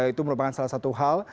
itu merupakan salah satu hal